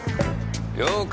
了解！